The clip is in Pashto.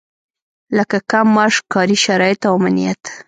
لکه کم معاش، کاري شرايط او امنيت.